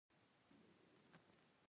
چې تهران د جون او جولای په میاشتو کې